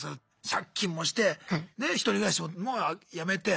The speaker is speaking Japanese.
借金もして１人暮らしもやめて。